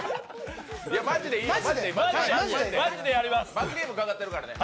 罰ゲームかかってるからね。